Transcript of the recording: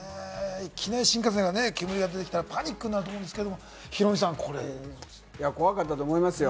いきなり新幹線からね、煙が出てきたらパニックになると思うんで怖かったと思いますよ。